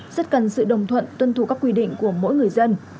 rất cần sự đồng thuận tuân thủ các quy định của mỗi người dân